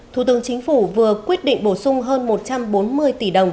thủ tướng chính phủ vừa quyết định bổ sung hơn một trăm bốn mươi tỷ đồng